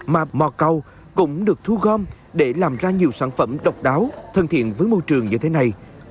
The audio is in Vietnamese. mà mò câu cũng được thu gom để làm ra nhiều sản phẩm độc đáo thân thiện với môi trường như thế này